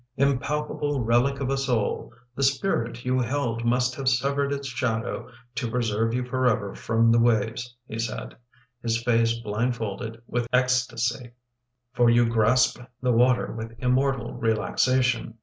" Impalpable relic of a soul, the spirit you held must have severed its shadow to preserve you forever from the waves," he said, his face blindfolded with ectasy, " for you grasp the water with immortal relaxation.